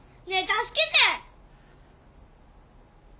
ねえ助けて！